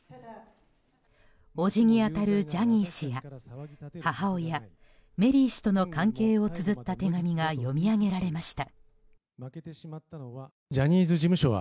叔父に当たるジャニー氏や母親メリー氏との関係をつづった手紙が読み上げられました。